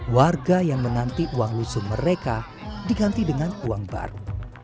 warga yang menanti uang lusuh mereka diganti dengan uang baru